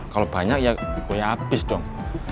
kalau banyak ya pokoknya habis dong